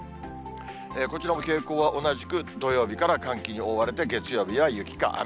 こちらも傾向は同じく、土曜日から寒気に覆われて、月曜日は雪か雨。